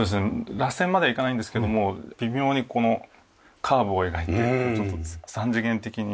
螺旋まではいかないんですけども微妙にこのカーブを描いてちょっと３次元的に。